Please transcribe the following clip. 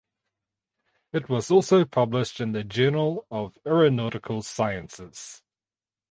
It was also published in the Journal of Aeronautical Sciences.